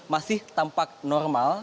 masih tampak normal